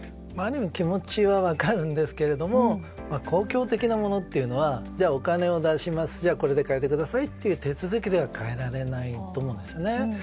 ある意味気持ちは分かるんですが公共的なものというのはお金を出してこれで変えてくださいという手続きでは変えられないと思うんですね。